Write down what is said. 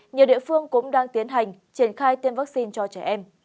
nhiều địa phương cũng đang tiến hành triển khai tiêm vaccine cho trẻ em